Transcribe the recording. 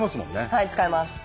はい使えます。